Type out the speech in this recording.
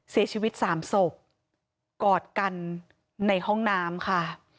เสียชีวิตสามศพกอดกันในห้องน้ำค่ะ